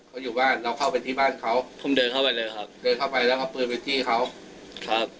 เขาอยู่บ้านเราเข้าไปที่บ้านเขาผมเดินเข้าไปเลยครับเดินเข้าไปแล้วเอาปืนไปจี้เขาครับ